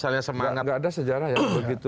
semangat enggak ada sejarah yang begitu